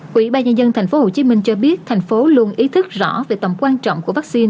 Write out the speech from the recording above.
quỹ ba nhân dân tp hcm cho biết thành phố luôn ý thức rõ về tầm quan trọng của vaccine